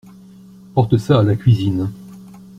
Porte ça à la cuisine.